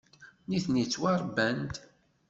Nitni ttwaṛebban-d.